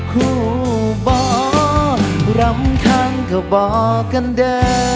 หู้บ่รำคังก็บอกกันเด้อ